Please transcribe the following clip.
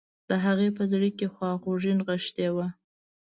د هغې په زړه کې خواخوږي نغښتي وه